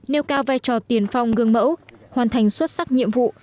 nêu cao vai trò tiền phong gương mẫu hoàn thành xuất sắc nhiệm vụ